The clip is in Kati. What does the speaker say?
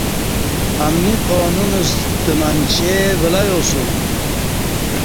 امنی قانون ستہ منچے ولیاسوم